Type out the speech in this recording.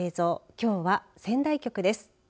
きょうは仙台局です。